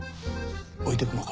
置いていくのか。